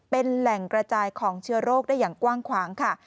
เป็นแหล่งกระจายของเชื้อโรคได้อย่างกว้างขวางค่ะ